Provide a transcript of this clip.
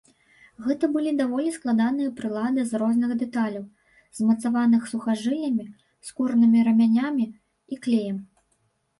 Гэта былі даволі складаныя прылады з розных дэталяў, змацаваных сухажыллямі, скуранымі рамянямі і клеем.